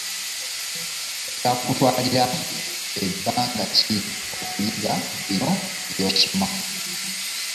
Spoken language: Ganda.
Kyakutwalira bbanga ki okuyiga bino bye tusoma?